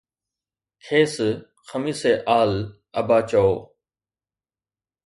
کيس خميس آل ابا چئو